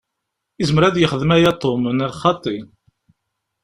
Izmer ad yexdem aya Tom, neɣ xaṭi?